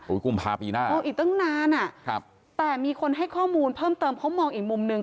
อุ้ยกุมภาพปีหน้าอีกตั้งนานอะแต่มีคนให้ข้อมูลเพิ่มเติมเพราะมองอีกมุมนึง